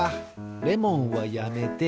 レモンはやめて。